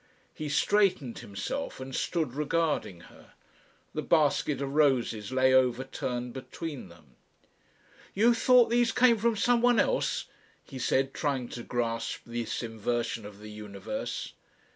He straightened himself and stood regarding her. The basket of roses lay overturned between them. "You thought these came from someone else?" he said, trying to grasp this inversion of the universe.